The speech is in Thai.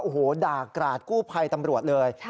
โอ้โหด่ากราดกู้ภัยตำรวจเลย